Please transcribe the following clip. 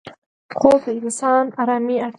خوب د انسان آرامي اړتیا ده